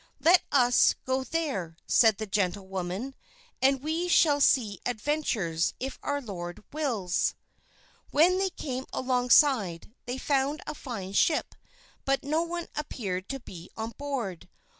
"Let us go there," said the gentlewoman, "and we shall see adventures, if our Lord wills." When they came alongside, they found a fine ship, but no one appeared to be on board.